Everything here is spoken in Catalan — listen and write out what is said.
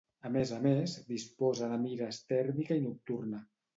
A més a més, disposa de mires tèrmica i nocturna.